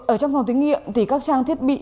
ở trong phòng thí nghiệm thì các trang thiết bị